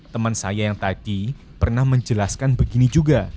teman saya yang tadi pernah menjelaskan begini juga